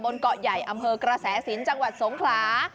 เกาะใหญ่อำเภอกระแสสินจังหวัดสงขลา